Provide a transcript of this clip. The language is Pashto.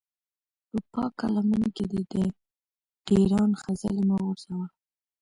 په پاکه لمن کې دې د ډېران خځلې مه غورځوه.